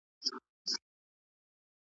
نه مو اختر نه مو خوښي نه مو باران ولیدی .